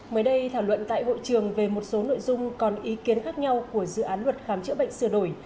mới đây thảo luận tại hội trường về một số nội dung còn ý kiến khác nhau của dự án luật khám chữa bệnh sửa đổi